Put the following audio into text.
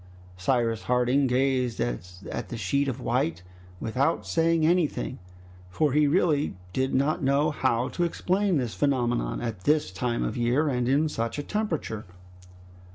Cyrus Harding gazed at the sheet of white without saying anything, for he really did not know how to explain this phenomenon, at this time of year and in such a temperature.